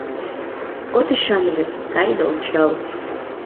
— От ӱшане гын, кай да ончал.